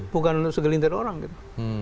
bukan segelintir orang gitu